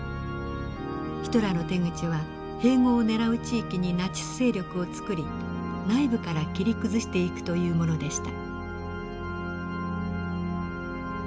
ヒトラーの手口は併合をねらう地域にナチス勢力を作り内部から切り崩していくというものでした。